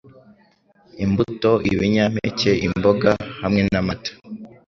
[Imbuto, ibinyampeke, imboga hamwe n’amata